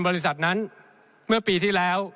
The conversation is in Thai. บริษัทนั้นเมื่อปีที่แล้ว